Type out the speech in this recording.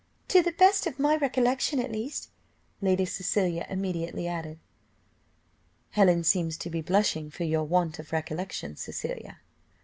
"To the best of my recollection, at least," Lady Cecilia immediately added. "Helen seems to be blushing for your want of recollection, Cecilia."